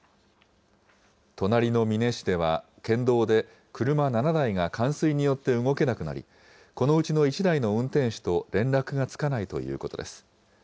隣の美祢市では、県道で車７台が冠水によって動けなくなり、このうちの１台の運転手と連絡がつかないということです。